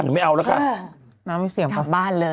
หนูไม่เอาแล้วค่ะ